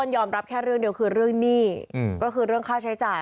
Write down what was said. ยอมรับแค่เรื่องเดียวคือเรื่องหนี้ก็คือเรื่องค่าใช้จ่าย